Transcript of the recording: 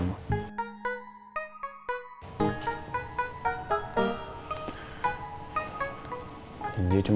kalo kemarin dia tuh pergi ke bandung